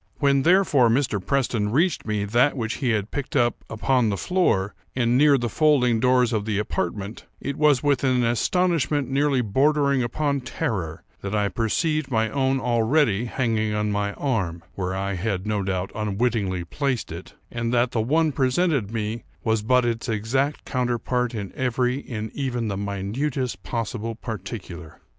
When, therefore, Mr. Preston reached me that which he had picked up upon the floor, and near the folding doors of the apartment, it was with an astonishment nearly bordering upon terror, that I perceived my own already hanging on my arm, (where I had no doubt unwittingly placed it,) and that the one presented me was but its exact counterpart in every, in even the minutest possible particular.